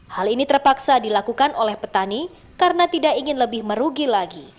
hal ini terpaksa dilakukan oleh petani karena tidak ingin lebih merugi lagi